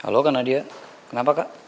halo kak nadia kenapa kak